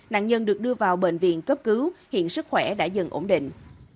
nạn nhân được đưa vào bệnh viện cấp cứu hiện sức khỏe đã dần ổn định